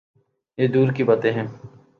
یہ دور کی باتیں ہیں۔